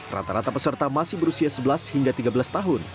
rata rata peserta masih berusia sebelas hingga tiga belas tahun